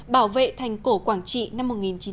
bảo vệ thành cổ quảng trị năm một nghìn chín trăm linh